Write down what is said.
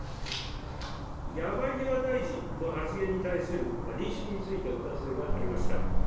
山際大臣の発言に対する認識についてお尋ねがありました。